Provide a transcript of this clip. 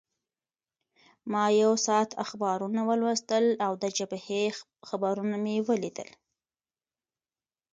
ما یو ساعت اخبارونه ولوستل او د جبهې خبرونه مې ولیدل.